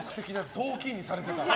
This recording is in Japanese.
雑巾にされてた。